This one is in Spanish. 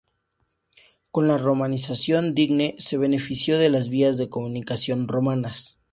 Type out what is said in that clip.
Con la romanización, Digne se benefició de las vías de comunicación romanas.